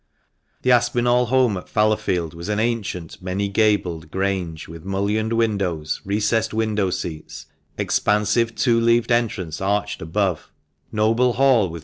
The Aspinall home at Fallowfield was an ancient, many gabled grange, with mullioned windows, recessed window seats, expansive two leaved entrance arched above; noble hall, with THE MANCHESTER MAN.